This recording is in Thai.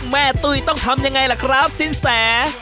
แม่ตุ๋ยต้องทำอย่างไรล่ะครับสินแส